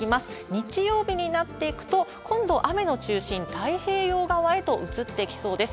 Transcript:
日曜日になっていくと、今度、雨の中心、太平洋側へと移っていきそうです。